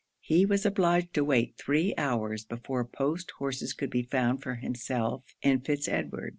He was obliged to wait three hours before post horses could be found for himself and Fitz Edward.